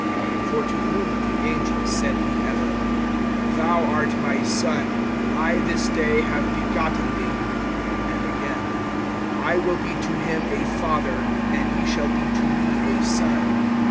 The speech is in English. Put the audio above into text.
(5)For to whom of the angels said he ever: Thou art my Son, I this day have begotten thee; and again: I will be to him a Father, and he shall be to me a Son.